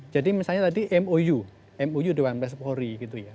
jadi misalnya tadi mou mou dewan pers polri